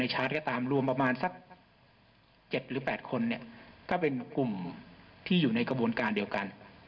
๗หรือ๘คนก็เป็นกลุ่มที่อยู่ในกระบวนการเดียวกัน